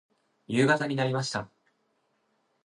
夕方になりました。